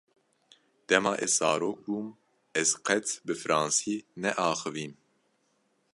Dema ez zarok bûm ez qet bi fransî neaxivîm.